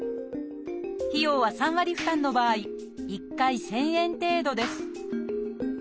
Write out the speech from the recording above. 費用は３割負担の場合１回１，０００円程度です